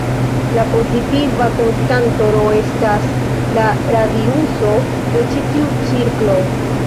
La pozitiva konstanto "r" estas la radiuso de ĉi tiu cirklo.